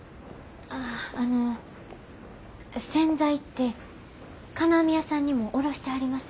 あああの線材って金網屋さんにも卸してはります？